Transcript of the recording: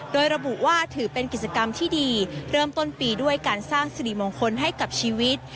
โดยระบุว่าถือเป็นกิจกรรมที่ดีเริ่มต้นปีด้วยการสร้างสิริมงคลให้กับชีวิต